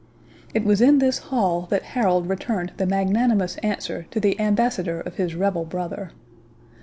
It was in this hall that Harold returned the magnanimous answer to the ambassador of his rebel brother.